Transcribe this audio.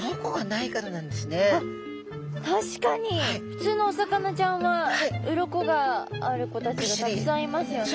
ふつうのお魚ちゃんは鱗がある子たちがたくさんいますよね。